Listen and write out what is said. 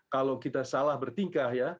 kalau kita salah bertingkah